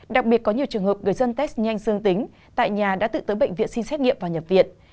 đặc biệt có nhiều trường hợp người dân test nhanh dương tính tại nhà đã tự tới bệnh viện xin xét nghiệm và nhập viện